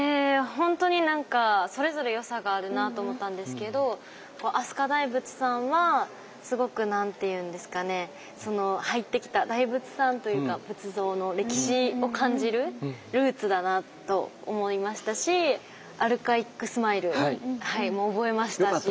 ほんとに何かそれぞれ良さがあるなと思ったんですけど飛鳥大仏さんはすごく何て言うんですかね入ってきた大仏さんというか仏像の歴史を感じるルーツだなと思いましたしアルカイックスマイルも覚えましたし。